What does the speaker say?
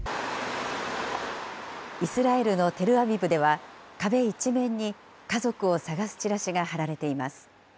イスラエルのテルアビブでは、壁一面に家族を捜すチラシが貼られています。